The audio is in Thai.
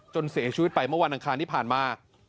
เสียชีวิตไปเมื่อวันอังคารที่ผ่านมา